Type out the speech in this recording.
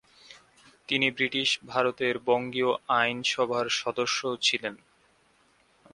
তিনি ব্রিটিশ ভারতের বঙ্গীয় আইন সভার সদস্যও ছিলেন।